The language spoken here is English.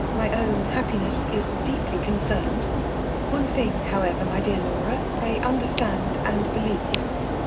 my own ' happiness is deeply concerned. Dne thing, however, my dear Laura, pray under stand and believe.